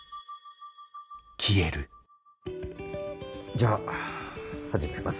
じゃあ始めます。